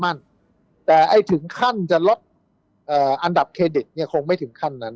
มั่นแต่ไอ้ถึงขั้นจะลดอันดับเครดิตเนี่ยคงไม่ถึงขั้นนั้น